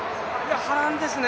波乱ですね。